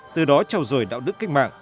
từ đó trào rời đạo đức cách mạng